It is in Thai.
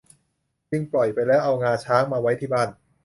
จึงปล่อยไปแล้วเอางาช้างมาไว้ที่บ้าน